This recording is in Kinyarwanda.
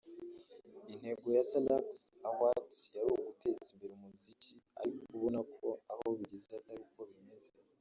Intego ya Salax Awards yari uguteza imbere umuziki ariko ubona ko aho bigeze atari ko bimeze